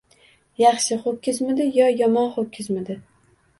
Yaxshi ho‘kizmidi yo yomon ho‘kizmidi